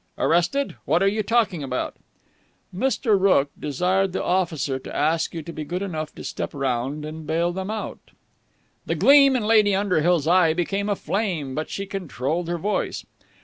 "Arrested! What are you talking about?" "Mr. Rooke desired the officer to ask you to be good enough to step round and bail them out!" The gleam in Lady Underhill's eye became a flame, but she controlled her voice.